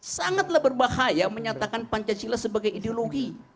sangatlah berbahaya menyatakan pancasila sebagai ideologi